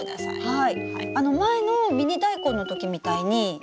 はい。